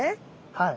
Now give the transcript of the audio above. はい。